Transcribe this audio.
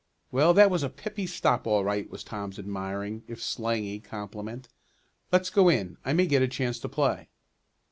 "Well, that was a pippy stop all right," was Tom's admiring, if slangy, compliment. "Let's go in, I may get a chance to play."